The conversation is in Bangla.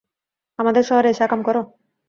আমাদের শহরে এসে আকাম করো?